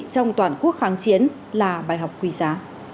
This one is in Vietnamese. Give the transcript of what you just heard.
trong toàn quốc kháng chiến là bài học quý giá